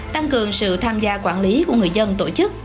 tăng cường sự tham gia quản lý của người dân tổ chức